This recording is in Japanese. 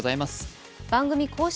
番組公式